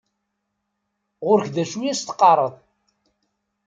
Γur-k d acu i as-teqqareḍ.